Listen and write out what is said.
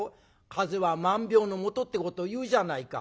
『風邪は万病のもと』ってこと言うじゃないか。